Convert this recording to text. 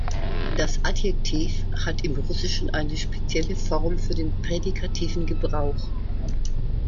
Das Adjektiv hat im Russischen eine spezielle Form für den prädikativen Gebrauch.